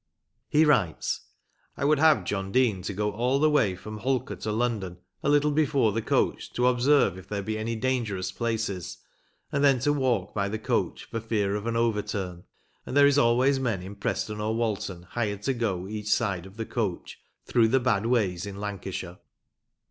He writes : I would have John Dean to go all the way from Holker to London a little before the coach to observe if there be any dangerous places, and then to walk by the coach for fear of an overturn ; and there is always men in Preston or Walton hired to go each side of the coach through the bad ways in Lancashire.